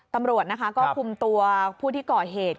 ตำรวจนะคะก็คุมตัวผู้ที่ก่อเหตุ